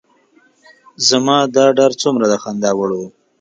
زما دا ډار څومره د خندا وړ و.